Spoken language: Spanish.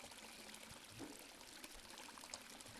Es nativa de Birmania.